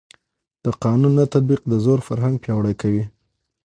د قانون نه تطبیق د زور فرهنګ پیاوړی کوي